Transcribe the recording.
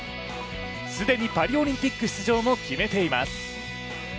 既にパリオリンピック出場も決めています。